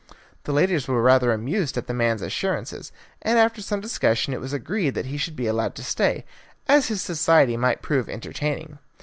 The ladies were rather amused at the man's assurances and after some discussion it was agreed that he should be allowed to stay, as his society might prove entertaining.